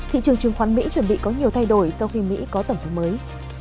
thị trường trường khoản mỹ chuẩn bị có nhiều thay đổi sau khi mỹ có tổng thống mới